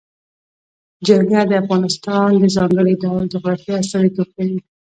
جلګه د افغانستان د ځانګړي ډول جغرافیه استازیتوب کوي.